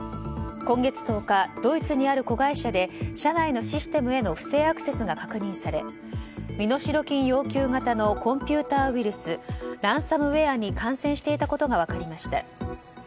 今月１０日ドイツにある子会社で社内のシステムへの不正アクセスが確認され身代金要求型のコンピューターウイルスランサムウェアに感染していたことが分かりました。